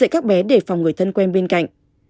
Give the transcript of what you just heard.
các bé đề phòng người thân quen bên cạnh